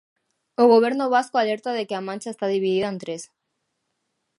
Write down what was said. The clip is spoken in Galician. O Goberno vasco alerta de que a mancha está dividida en tres.